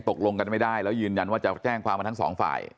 ตกลงกันไม่ได้แล้วยืนยันว่าจะแจ้งความมาทั้งสองฝ่าย